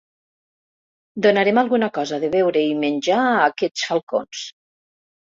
Donarem alguna cosa de beure i menjar a aquests falcons.